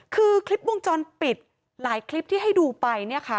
คือคลิปวงจรปิดหลายคลิปที่ให้ดูไปเนี่ยค่ะ